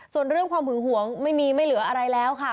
ส่วนเรื่องความหึงหวงไม่มีไม่เหลืออะไรแล้วค่ะ